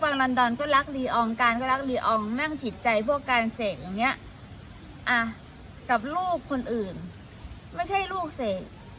พวกการเสกอย่างเงี้ยเอ่อกับลูกคนอื่นไม่ใช่ลูกเสก